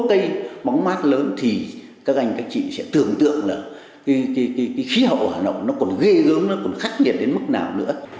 cây bóng mát lớn thì các anh các chị sẽ tưởng tượng là khí hậu ở hà nội còn ghê gớm khắc nhiệt đến mức nào nữa